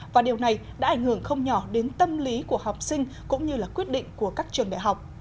và điều này đã ảnh hưởng không nhỏ đến tâm lý của học sinh cũng như là quyết định của các trường đại học